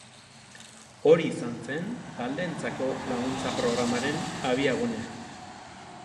Hori izan zen taldeentzako laguntza-programaren abiagunea.